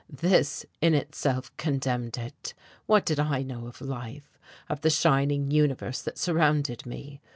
This in itself condemned it. What did I know of life? of the shining universe that surrounded me?